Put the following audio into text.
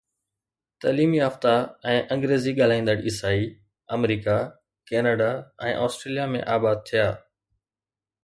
تعليم يافته ۽ انگريزي ڳالهائيندڙ عيسائي آمريڪا، ڪئناڊا ۽ آسٽريليا ۾ آباد ٿيا.